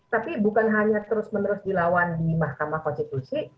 tapi bukan hanya terus menerus dilawan di mahkamah konstitusi